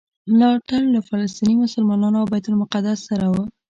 ملاتړ له فلسطیني مسلمانانو او بیت المقدس سره و.